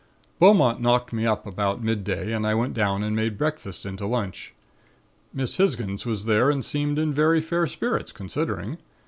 "Beaumont knocked me up about midday and I went down and made breakfast into lunch. Miss Hisgins was there and seemed in very fair spirits, considering.